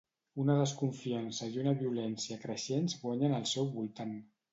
Una desconfiança i una violència creixents guanyen el seu voltant.